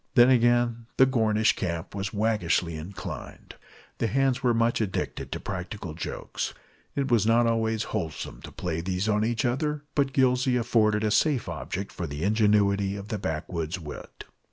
Then again the Gornish Camp was waggishly inclined. The hands were much addicted to practical jokes. It was not always wholesome to play these on each other, but Gillsey afforded a safe object for the ingenuity of the backwoods wit.